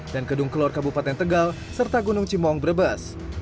dan kedung kelur kabupaten tegal serta gunung cimong brebes